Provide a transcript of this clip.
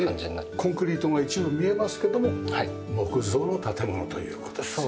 コンクリートが一部見えますけども木造の建物という事ですよね。